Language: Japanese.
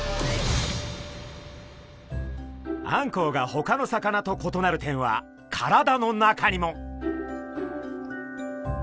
あんこうがほかの魚と異なる点は体の中にも。